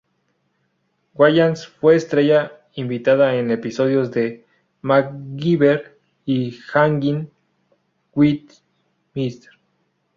Wayans fue estrella invitada en episodios de "MacGyver" y "Hangin’ with Mr.